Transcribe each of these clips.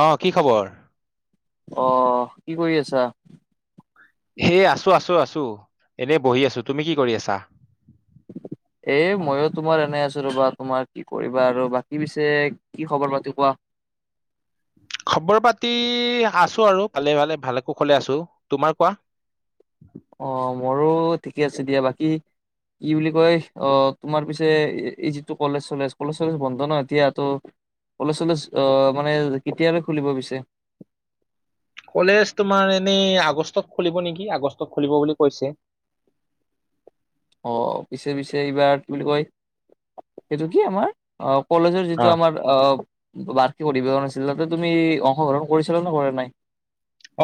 অ', কি খবৰ? অ', কি কৰি আছা? সেই আছো, আছো, আছো, এনেই বহি আছো, তুমি কি কৰি আছা? এই মইয়ো তোমাৰ এনে আছো ৰ'বা, তোমাৰ কি কৰিবা আৰু বাকী পিছে কি খবৰ পাতি কোৱা খবৰ পাতি আছো আৰু ভালে, ভালে, ভালে কুশলে আছো, তোমাৰ কোৱা। অ', মোৰো ঠিকে আছে দিয়া, বাকী কি বুলি কয়, অ', তোমাৰ পিছে এই যিটো কলেজ চলেজ, কলেজ চলেজ বন্ধ ন' এতিয়া ত' কলেজ চলেজ, অ', মানে কেতিয়ালৈ খুলিব পিছে? কলেজ তোমাৰ এনেই আগষ্টত খুলিব নেকি, আগষ্টত খুলিব বুলি কৈছে। অ', পিছে, পিছে, এইবাৰ কি বুলি কয়, সেইটো কি আমাৰ অ', কলেজৰ অ যিটো আমাৰ অ', বাৰ্ষিক অধিৱেশন আছিল, তাতে তুমি অংশগ্ৰহণ কৰিছিলা নে কৰা নাই?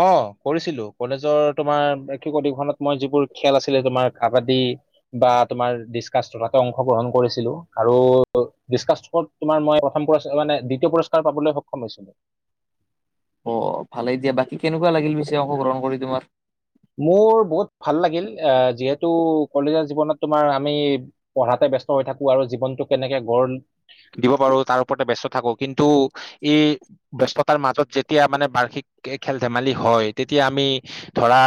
অ', কৰিছিলো, কলেজৰ তোমাৰ বাৰ্ষিক অধিবেশনত মই যিবোৰ খেল আছিলে তোমাৰ কাবাডী বা তোমাৰ ডিচকাচ থ্ৰত অংশগ্ৰহণ কৰিছিলো, আৰু টো ডিচকাছত থ্ৰত তোমাৰ মই প্ৰথম পুৰস্কাৰ মানে দ্বিতীয় পুৰস্কাৰ পাবলৈ সক্ষম হৈছিলো। অ', ভালেই দিয়া, বাকী কেনেকুৱা লাগিল পিছে অংশগ্ৰহণ কৰি তোমাৰ? মোৰ বহুত ভাল লাগিল, আহ যিহেতু কলেজৰ জীৱনত তোমাৰ আমি পঢ়াতে ব্যস্ত হৈ থাকো আৰু জীৱনটো কেনেকে গঢ় দিব পাৰো তাৰ ওপৰতে ব্যস্ত থাকো, কিন্তু ই ব্যস্ততাৰ মাজত যেতিয়া মানে বাৰ্ষিক খেল ধেমালি হয়, তেতিয়া আমি ধৰা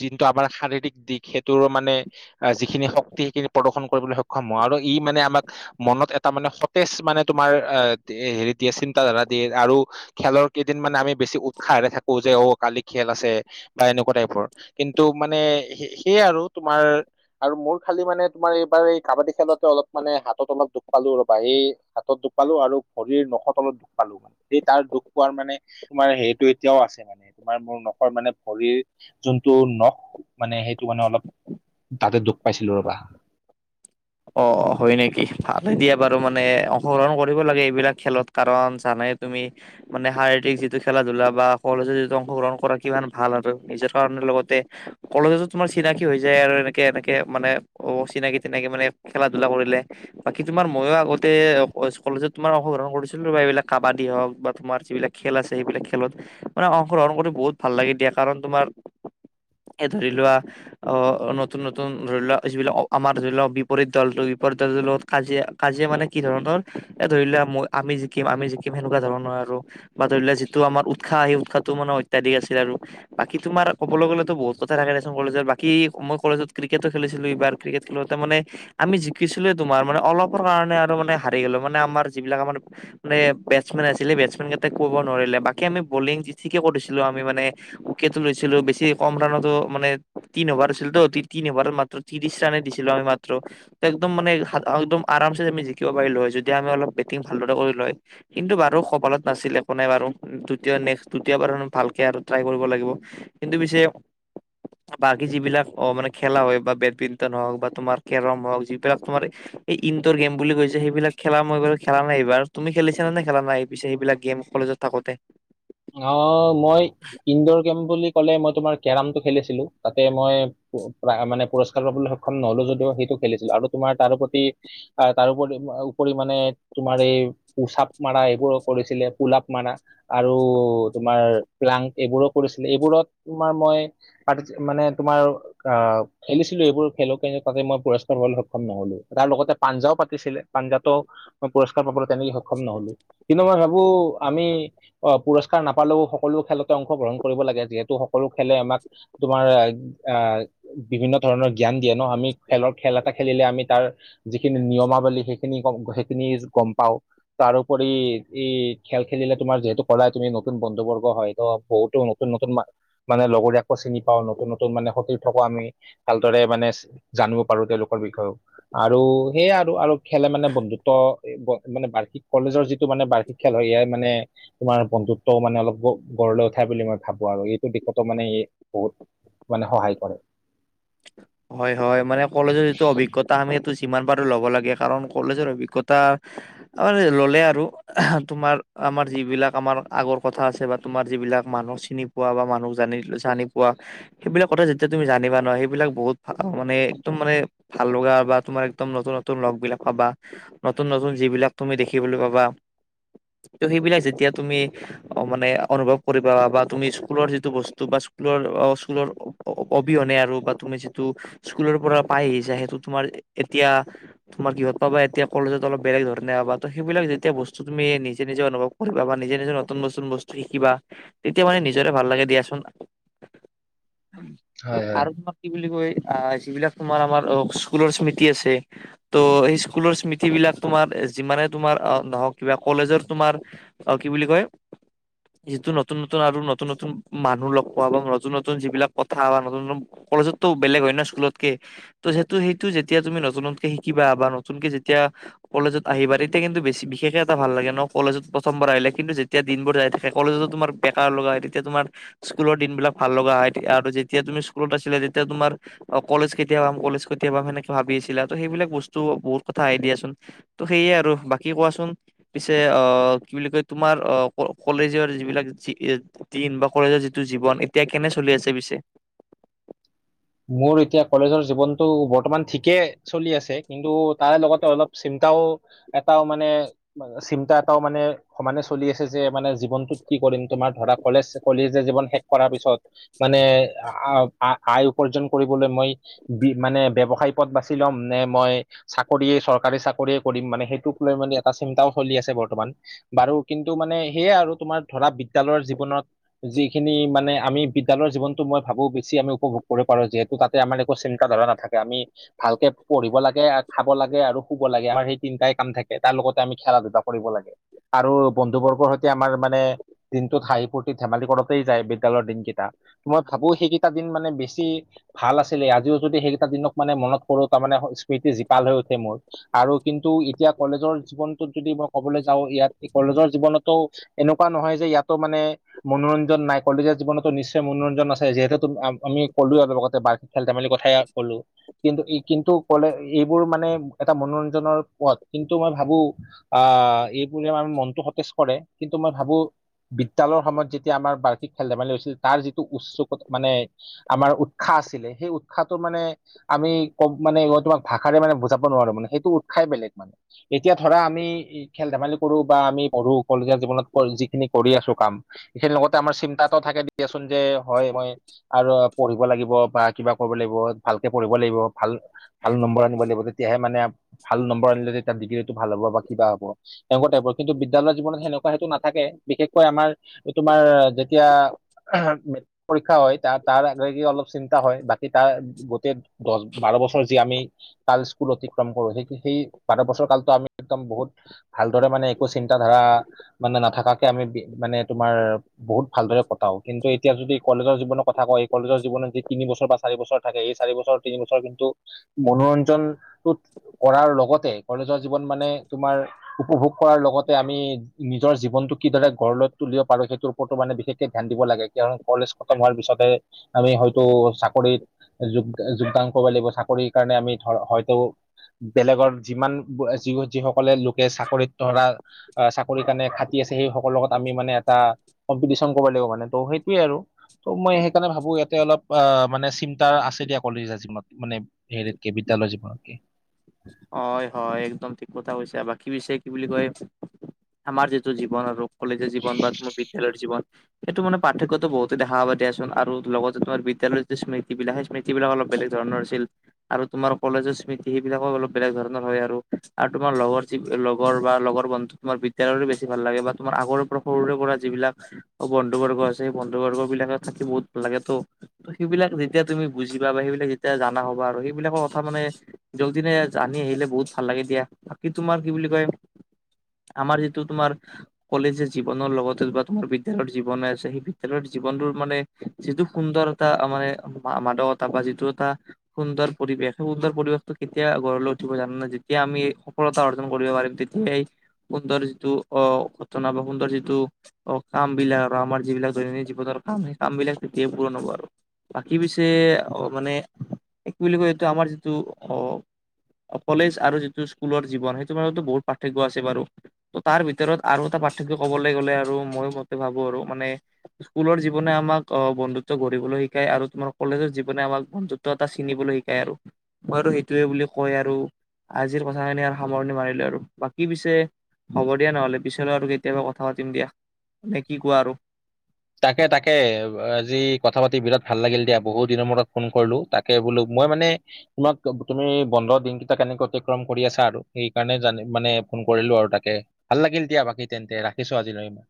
যিটো আমাৰ শাৰীৰিক দিশ সেইটোৰ মানে আহ যিখিনি শক্তি সেইখিনি প্ৰদৰ্শন কৰিবলৈ সক্ষম হওঁ আৰু ই মানে আমাক মনত এটা মানে সতেজ মানে তোমাৰ এ হেৰি দিয়ে, চিন্তাধাৰা দিয়ে আৰু খেলৰ কেইদিন মানে আমি বেছি উৎসাহেৰে থাকো, যে অ', কালি খেল আছে বা এনেকুৱা টাইপৰ। কিন্তু মানে সেই আৰু তোমাৰ আৰু মোৰ খালি মানে তোমাৰ এইবাৰ এই কাবাডী খেলতে অলপ মানে হাতত অলপ দুখ পালো ৰ'বা। সেই হাতত দুখ পালো আৰু ভৰিৰ নখত অলত দুখ পালো মানে। সেই তাৰ দুখ পোৱাৰ মানে তোমাৰ সেৰিটো এতিয়াও আছে মানে তোমাৰ মোৰ নখৰ মানে ভৰিৰ যোনটো নখ, মানে সেইটো মানে অলপ তাতে দুখ পাইছিলো ৰ'বা। অ', হয় নেকি, ভালে দিয়া বাৰু মানে অংশগ্ৰহণ কৰিব লাগে এইবিলাক খেলত। কাৰণ জানাই তুমি মানে শাৰীৰিক যিটো খেলা ধূলা বা কলেজৰ যিটো অংশগ্ৰহণ কৰা কিমান ভাল আৰু নিজৰ কাৰণে লগতে কলেজতো তোমাৰ চিনাকি হৈ যায় আৰু এনেকে এনেকে মানে বহুত চিনাকি চিনাকি মানে খেলা ধূলা কৰিলে বাকী তোমাৰ মইও আগতে কলেজত তোমাৰ অংশগ্ৰহণ কৰিছিলো ৰবা এইবিলাক কাবাডী হওঁক বা তোমাৰ যিবিলাক খেল আছে সেইবিলাক খেলত মানে অংশগ্ৰহণ কৰি বহুত ভাল লাগে দিয়া কাৰণ তোমাৰ এই ধৰি লোৱা নতুন নতুন ধৰি লোৱা যিবিলাক আমাৰ ধৰি লোৱা বিপৰীত দলটোৰ বিপৰীত দলটোৰ লগত কাজিয়া, কাজিয়া মানে কি ধৰণৰ এ ধৰি লোৱা আমি জিকিম, আমি জিকিম, সেনেকুৱা ধৰণৰ আৰু বা ধৰি লোৱা যিটো আমাৰ উৎসাহ সেই উৎসাহটো মানে অত্যাধিক আছিল আৰু। বাকী তোমাৰ ক'বলৈ গলে বহু কথা থাকে দেচোন কলেজত, বাকী মই কলেজত ক্ৰিকেটো খেলিছিলো এইবাৰ, ক্ৰিকেট খেলোতে মানে আমি জিকিছিলোয়ে তোমাৰ, মানে অলপৰ কাৰণে আৰু মানে হাৰি গ'লো মানে আমাৰ যিবিলাক আমাৰ মানে বেটছমেন আছিলে, বেটছমেন কেইটাক ক'ব নোৱাৰিলে বাকী আমি বলিং যঠিকে কৰিছিলো আমি মানে উকেত লৈছিলো, বেছি কম ৰাণতো, মানে তিন অভাৰ আছিলতো, তিন অভাৰত মাত্ৰ তিৰিছ ৰানে দিছিলোঁ আমি মাত একদম মানে একদম আৰামচে আমি জিকিব পাৰিলো হয় যদি আমি অলপ বেটিং ভালদৰে কৰিলোঁ হয়। কিন্তু বাৰু কপালত নাছিলে একো নাই বাৰু, দুতিয় নেক্সট দুতীয়বাৰ আৰু ভালকে ট্ৰাই কৰিব লাগিব। কিন্তু পিছে বাকী যিবিলাক অ' মানে খেলা হয় বা বেডমিন্টন হওক বা তোমাৰ কেৰম হওক যিবিলাক তোমাৰ এই ইনডোৰ গেম বুলি কয় যে সেইবিলাক খেলা, মই বাৰু খেলা নাই, এইবাৰ তুমি খেলিছা নে খেলা নাই পিছে সেইবিলাক গেম কলেজত থাকোঁতে? অ' মই ইনডৰ গেম বুলি ক'লে মই তোমাৰ কেৰমটো খেলিছিলো, তাতে মই মানে পুৰস্কাৰ পাবলৈ সক্ষ খন নহ'লো যদিও সেইটো খেলিছিলো আৰু তোমাৰ তাৰো প্ৰতি অ' তাৰোপৰি উপৰি মানে তোমাৰ এই উচাপ মাৰ এইবোৰো কৰিছিলে, পোলাপ মাৰা। আৰু তোমাৰ প্লাংক এইবোৰো কৰিছিলে, এইবোৰত তোমাৰ মই সাত মানে তোমাৰ আ, খেলিছিলোঁ এইবোৰ খেলো তাতে মই পুৰস্কাৰ হবলৈ সক্ষম নহ'লো, তাৰ লগতে পাঞ্জাও পাতিছিলে। পাঞ্জাতো মই পুৰস্কাৰ পাবলৈ তেনেকে সক্ষম নহলো কিন্তু মই ভাবোঁ আমি অ' পুৰস্কাৰ নাপালেও সকলো খেলতে অংশগ্ৰহণ কৰিব লাগে, যিহেতু সকলো খেলে আমাক তোমাৰ এ, আ বিভিন্ন ধৰণৰ জ্ঞান দিয়ে ন', আমি খেলৰ খেল এটা খেলিলে আমি তাৰ যিখিনি নিয়মাৱলী সেইখিনি, সেইখিনি গম পাওঁ। তাৰোপৰি এই খেল খেলিলে তোমাৰ যিহেতু পৰাই তুমি নতুন বন্ধুবৰ্গ হয়তো বহুতো নতুন নতুন মানে লগৰীয়াকো চিনি পাওঁ, নতুন নতুন মানে সতীৰ্থকো আমি ভালদৰে মানে জানিব পাৰোঁ তেওঁলোকৰ বিষয়েও, আৰু সেয়াই আৰু, আৰু খেলে মানে বন্ধুত্ব মানে বাৰ্ষিক কলেজৰ যিটো মানে বাৰ্ষিক খেল হয় ইয়ে মানে তোমাৰ বন্ধুত্বও মানে অলপ গঢ়লৈ উঠাই বুলি মই ভাবোঁ আৰু এইটো দিশতো মানে এই বহুত মানে সহায় কৰে। [inaudible] হয় হয়, মানে কলেজৰ যিটো অভিজ্ঞতা আমি সেইটো যিমান পাৰোঁ ল'ব লাগে কাৰণ কলেজৰ অভিজ্ঞতা আৰে ল'লে আৰু তোমাৰ আমাৰ যিবিলাক আমাৰ আগৰ কথা আছে বা তোমাৰ যিবিলাক মানুহ চিনি পোৱা বা মানুহক জান জানি পোৱা সেইবিলাক কথা যেতিয়া তুমি জানিবা ন' সে বিলাক বহুত ভা মানে একদম মানে ভাল লগা বা তোমাৰ একদম নতুন নতুন লগবিলাক পাবা। নতুন নতুন যিবিলাক তুমি দেখিবলৈ পাবা ত' সেইবিলাক যেতিয়া তুমি অ' মানে অনুভৱ কৰিবা বা তুমি স্কুলৰ যিটো বস্তু বা স্কুলৰ স্কুলৰ অবিহনে আৰু বা তুমি যিটো স্কুলৰপৰা পাই আহিছা সেইটো তোমাৰ এতিয়া তোমাৰ কিহত পাবা এতিয়া কলেজত অলপ বেলেগ ধৰণে পাবা ত' সেইবিলাক যেতিয়া বস্তু তুমি নিজ নিজে অনুভৱ বা নিজে নিজৰ নতুন নতুন বস্তু শিকিবা তেতিয়া মানে নিজৰে ভাল লাগে দিয়াচোন। হয় হয়। আৰু ম কি বুলি কয় আ, যিবিলাক তোমাৰ আমাৰ অ' স্কুলৰ স্মৃতি আছে ত' সেই স্কুলৰ স্মৃতিবিলাক তোমাৰ যিমানে তোমাৰ নহ'ক কিবা কলেজৰ তোমাৰ অ' কি বুলি কয় যিটো নতুন নতুন আৰু নতুন নতুন মানুহ লগ পোৱা বা নতুন নতুন যিবিলাক কথা বা নতুন নতুন কলেজততো বেলেগ হয় ন' স্কুলতকে। ত' সেইটো সেইটো যেতিয়া তুমি নতুনতকে শিকিবা বা নতুনকে যেতিয়া কলেজত আহিবা তেতিয়া কিন্তু বেছি বিশেষে এটা ভাল লাগে ন' কলেজত প্ৰথমাৰ আহিলে কিন্তু যে তিয়া দিনবোৰ যাই থাকে, কলেজতো তোমাৰ বেকাৰ লগাই তেতিয়া তোমাৰ স্কুলৰ দিনবিলাক ভাল লগা হয় আৰু যেতিয়া তুমি স্কুলত আছিলা তেতিয়া তোমাৰ অ' কলেজ কেতিয়া পাম কলেজ কেতিয়া পাম সেনেকে ভাবি আছিলা ত' সেইবিলাক বস্তু বহুত কথা আহে দিয়াচোন। ত' সেয়ে আৰু বাকী কোৱাচোন। পিছে অ' কি বুলি কয় তোমাৰ অ' কলেজৰ যিবিলাক জী দিন বা কলেজৰ যিটো জীৱন এতিয়া কেনে চলি আছে পিছে? মোৰ এতিয়া কলেজৰ জীৱনটো বৰ্তমান ঠিকে চলি আছে কিন্তু তাৰে লগতে অলপ চিন্তাও এটাও মানে চিন্তা এটাও মানে সমানে চলি আছে যে মানে জীৱনটোত কি কৰিম তোমাৰ ধৰা কলেজ কলিজীয়া জীৱন শেষ কৰাৰ পিছত মানে আ-আয়ু উপাৰ্জন কৰিবলৈ মই বি মানে ব্যৱসায় পথ বাছি ল'ম নে মই চাকৰিয়ে চৰকাৰী চাকৰিয়ে কৰিম মানে সেইটোক লৈ মানে এটা চিন্তাও চলি আছে বৰ্তমান। বাৰু কিন্তু মানে সেয়াই আৰু তোমাৰ ধৰা বিদ্যালয়ৰ জীৱনত যিখিনি মানে আমি বিদ্যালয়ৰ জীৱনটো মই ভাবোঁ বেছি আমি উপভোগ কৰিব পাৰোঁ যিহেতু তাতে আমাৰ একো চিন্তা ধাৰা নাথাকে আমি ভালকে পঢ়িব লাগে, খাব লাগে আৰু শুব লাগে, আমাৰ সেই তিনটাই কাম থাকে তাৰ লগতে আমি খেলা ধূলা কৰিব লাগে। আৰু বন্ধু বৰ্গৰ সৈতে আমাৰ মানে দিনটোত হাঁহি ফূৰ্তি ধেমালি কৰোঁতেই যায় বিদ্যালয়ৰ দিনকেইটা, মই ভাবোঁ সেইকেইটা দিন মানে বেছি তি ভাল আছিলে, আজিও যদি সেইকেইটা দিনক মানে মনত কৰোঁ তাৰমানে স্মৃতি জীপাল হৈ উঠে মোৰ। আৰু কিন্তু এতিয়া কলেজৰ জীৱনটোত যদি মই কবলৈ যাওঁ, ইয়াত কলেজৰ জীৱনতো এনেকুৱা নহয় যে ইয়াতো মানে মনোৰঞ্জন নাই, কলেজৰ জীৱনতো নিশ্চয় মনোৰঞ্জন আছে যিহেতুু আমি কলো আৰু লগতে বাৰ খেল ধেমালিৰ কথাই কলো। কিন্তু কিন্তু ক'লে এইবোৰ মানে এটা মনোৰঞ্জনৰ পথ কিন্তু মই ভাবোঁ আ, এইবোৰে মানে মনটো সতেজ কৰে কিন্তু মই ভাবোঁ বিদ্যালয়ৰ সময়ত যেতিয়া আমাৰ বাৰ্ষিক খেল ধেমালি হৈছিল তাৰ যিটো উচ্চকত মানে আমাৰ উৎসাহ আছিলে, সেই উৎসাহটো মানে আমি ক মানে তোমাক ভাষাৰে মানে বুজাব নোৱাৰো, মানে সেইটো উৎসাই বেলেগ মানে। এতিয়া ধৰা আমি খেল ধেমালি কৰোঁ বা আমি পঢ়ো কলজীয়া জীৱনত যিখিনি কৰি আছোঁ কাম সেইখিনিৰ লগতে আমাৰ চিন্তাও থাকে দিয়াচোন যে হয় মই আৰু পঢ়িব লাগিব বা কিবা কৰিব লাগিব, ভালকে পঢ়িব লাগিব ভাল ভাল নম্বৰ আনিব লাগিব তেতিয়াহে মানে ভাল নম্বৰ আনিলে তেতিয়া ডিগ্ৰীটো ভাল হ'ব বা কিবা হ'ব। তেনেকুৱা টাইপৰ কিন্তু বিদ্যালয়ৰ জীৱনত সেনেকুৱা সেইটো নাথাকে, বিশেষকৈ আমাৰ তোমাৰ যেতিয়া পৰীক্ষা হয় তাৰ তাৰ লৈ কি অলপ চিন্তা হয়, বাকী তাৰ গোটেই দছ বাৰ বছৰ যি আমি কাল স্কুল অতিক্ৰম কৰোঁ, সেই সেই বাৰ বছৰ কালটো আমি একদম বহুত ভালদৰে মানে একো চিন্ত ধাৰা মানে নাথাকাকে আমি মানে তোমাৰ বহুত ভালদৰে কটাওঁ কিন্তু এতিয়া যদি কলেজৰ জীৱনৰ কথা কয় কলেজৰ জীৱত যি তিনি বছৰ বা চাৰি বছৰ থাকে এই চাৰি বছৰ তিনি বছৰ কিন্তু মনোৰঞ্জনটোত কৰাৰ লগতে কলেজৰ জীৱন মানে তোমাৰ উপভোগ কৰাৰ লগতে আমি নিজৰ জীৱনটো কিদৰে গঢ়লৈ তুলিব পাৰো সেইটো বৰ্তমানে বিশেষকে ধ্যান দিব লাগে কাৰণ কলেজ খতম হোৱাৰ পিছতে আমি হয়তো চাকৰিত যোগ যোগদান কৰিব লাগিব, চাকৰিৰ কাৰণে আমি ধ হয়তো বেলেগৰ যিমান যি যিসকলে লোকে চাকৰিত ধৰা আ, চাকৰিৰ কাৰণে খাটি আছে সেইসকলৰ লগত আমি মানে এটা কম্পিটিশন কৰিব লাগিব মানে, ত' সেইটয়ে আৰু ত' মই সেইকাৰণে ভাবোঁ ইয়াতে অলপ আ, মানে চিন্তা আছে দিয়া কলেজীয়া জীৱনত মানে হেৰিত কে বিদ্যালয় যী পে হয় হয় একদম ঠিক কথা কৈছে আৰু বাকী পছে কি বুলি কয় আমাৰ যিটো জীৱন আৰু কলেজৰ জীৱন বা তমাৰ বিদ্যালয়ৰ জীৱন এইটো মানোৰ্থক্যতো বহুতে দো দিয়াচোন আৰু লগতেোমাৰ বিদ্যালয়ৰ য স্মৃতি বিলাক সেই স্মৃতি বিলাক অলপ বেলেগ ধৰণৰ আছিল আৰু তোমাৰ কলেজৰ স্মৃতি সেইবিলাকো অলপ বেলেগ ধৰণৰ হয় আৰু তোমাৰ লগৰি লগৰ বা লগৰ বন্ধু তোমাৰ বিদ্য়াল বেছি ভাল লাগে বা তোমাৰ আগৰ সৰুৰে পৰা যিব বিিলাক বন্ধু বৰ্গ আছে সেই বন্ধু বৰ্গ বিলাকে থাকি বহুত ভাল লাগে তো ত সেইবিলাক যেতিয়া তুমি বুজিবা বা সেইবিলাক যেতিয়া জানা হবা আৰু সেইবিলাকৰ কথা মানে যক দিনে জানি আহিলে বহুত ভাল লাগে দিয়া বাকী তোমাৰ কি বুলি কয় আমাৰ যিটো তোমাৰ কলেজৰ জীৱনৰ লগত বা তোমাৰ বিদ্ালয়ৰ জীৱনে আছে সেই বিদ্ালয়ৰ জীৱনটোো মানে যিটো সুন্দৰ এটা মানে মাদকতা বা যিটো এটা সুন্দৰ পৰিৱেশ সুন্দৰ পৰিৱেশতটো কেতিয়া ঘৰৈ উঠিব জানো নে যেতিয়া আমি সফলতা অৰ্জন কৰিব পাৰিম তেতিয়াই সুন্দৰ যিটো অ ঘটনা বা সুন্দৰ যিটো অ কাম বিলাক আৰু আমাৰ যিবিলাক দৈনন্দিন জীৱনৰ কাম সেই কাম বিলাক তেতিয়াই পূৰণ হব আৰু বাকী পছে অ মানে কি বুলি কয় এইটো আমাৰ যিটো অ কলেজ আৰু যিটো স্কুলৰ জৱন সেইটো মাজতো বহুত পাৰ্থক্্য আছে বাৰু ত তাৰ ভিতৰত আৰু এটা পাৰ্থক্য কবলৈ গ'লে আৰু মই মতে ভাবো আৰু মানে স্কুলৰ জীৱনে আাক বন্ধুত্ব গঢ়িবলৈ শিকায় আৰু তোমাৰ কলেজৰ জীৱনে আমাক বন্ধুত্ব এটা চিনিবলৈ শিকায় আৰু মই সেইটোোৱে বুলি কয় আৰু আজিৰ কথাখিনি আৰু সামৰণি মাৰিলো আৰু বাকী পিছে হ'ব দিয়া নহ'লে পিছলৈ আৰু কেতিয়াবা কথা পাতিম দিয়া নে কি কোৱা আৰু তাকে তাকে আজি কথা পাতি বিৰাট ভাল লাগিল দিয়া বহুত দিনৰ মূৰত ফোন কৰিলো তাকে বোলো মই মানে তোমাক তুমি বন্ধ দিনকেইটা কেনেকে অতিক্ৰম কৰি আছা আৰু সেইকাৰণে জানি মানে ফোন কৰিলো আৰু তাকে ভাল লাগিল দিয়া বাকী তেন্তে ৰাখিছো আজিলৈ ইমান